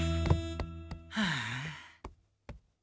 はあ。